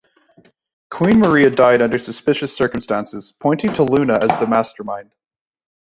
Queen Maria died under suspicious circumstances, pointing to Luna as the mastermind.